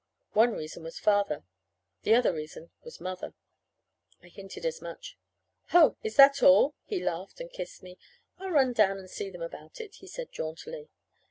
One reason was Father; the other reason was Mother. I hinted as much. "Ho! Is that all?" He laughed and kissed me. "I'll run down and see them about it," he said jauntily.